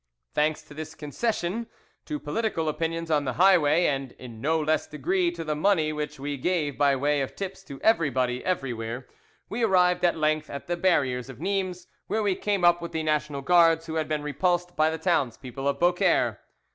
Thanks to this concession to political opinions on the highway, and in no less degree to the money which we gave by way of tips to everybody everywhere, we arrived at length at the barriers of Nimes, where we came up with the National Guards who had been repulsed by the townspeople of Beaucaire.